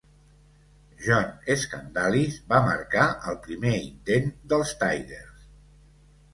John Skandalis va marcar el primer intent dels Tigers.